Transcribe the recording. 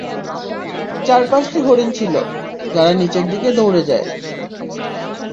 চার-পাঁচটি হরিণ ছিল, যারা নিচের দিকে দৌড়ে যায়।